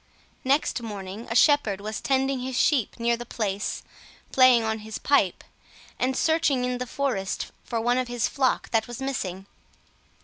Next morning a shepherd was tending his sheep near the place, playing on his pipe, and searching in the forest for one of his flock that was missing.